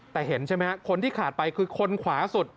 แต่เห็นใช่ไหมฮะคนที่ขาดไปคือคนขวาสุด